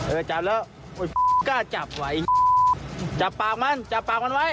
เออจับแล้วกล้าจับไว้จับปากมันจับปากมันไว้